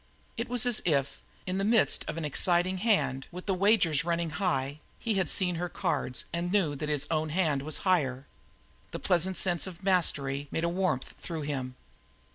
It was as if, in the midst of an exciting hand, with the wagers running high, he had seen her cards and knew that his own hand was higher. The pleasant sense of mastery made a warmth through him.